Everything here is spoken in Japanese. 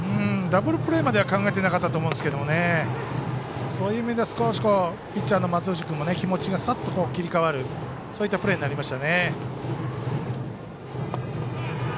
ダブルプレーまでは考えてなかったと思いますがそういう意味では少しピッチャーの松藤君も気持ちがサッと切り替わるプレーになりましたね。